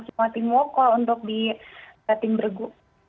semua tim woko untuk di tim bergu